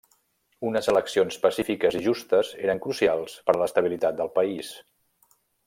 Unes eleccions pacífiques i justes eren crucials per a l'estabilitat del país.